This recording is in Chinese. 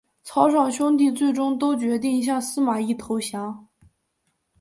曹爽兄弟最终都决定向司马懿投降。